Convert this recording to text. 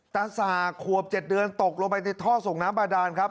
สาขวบ๗เดือนตกลงไปในท่อส่งน้ำบาดานครับ